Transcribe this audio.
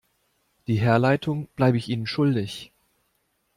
Die Herleitung bleibe ich Ihnen schuldig.